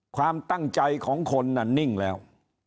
ความตั้งใจของคนน่ะนิ่งแล้ว